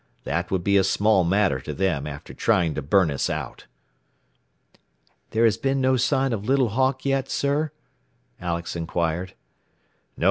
That would be a small matter to them, after trying to burn us out." "There has been no sign of Little Hawk yet, sir?" Alex inquired. "No.